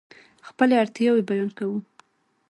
خپلې اړتیاوې بیان کوو.